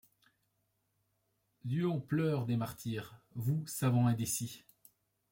Yeux en pleurs des martyrs ; vous, savants indécis ;